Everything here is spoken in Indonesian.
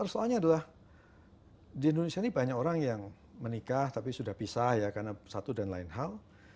soalnya adalah di indonesia ini banyak orang yang menikah tapi sudah pisah ya karena satu dan lain hal